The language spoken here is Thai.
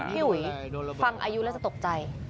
พี่ห่วยฟังอายุแล้วจะตกใจ